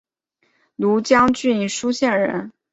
庐江郡舒县人。